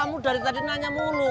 kamu dari tadi nanya mulu